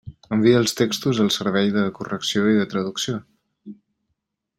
Envia els textos al servei de correcció i de traducció.